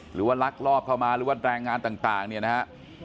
หรือว่าลักลอบเข้ามาหรือว่าแรงงานต่างนี่นะครับ